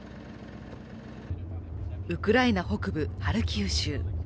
ウクライナ北部ハルキウ州。